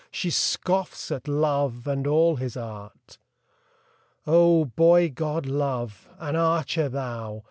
She scoffs at Love and all his art ! Oh, boy god, Love ! An archer thou